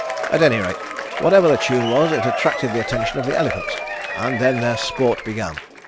At any rate, whatever the tune was it attracted the attention of the elephants, and then their sport began.